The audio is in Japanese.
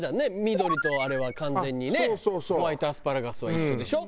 緑とあれは完全にねホワイトアスパラガスは一緒でしょ？